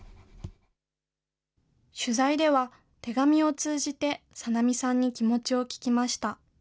取材では、手紙を通じてさなみさんに気持ちを聞きました。